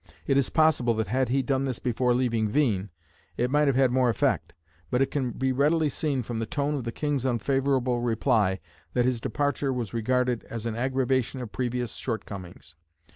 It is possible that had he done this before leaving Hveen it might have had more effect, but it can be readily seen from the tone of the king's unfavourable reply that his departure was regarded as an aggravation of previous shortcomings.